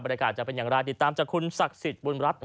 การจะเป็นอย่างไรติดตามจากคุณศักดิ์สิทธิ์บุญรัฐ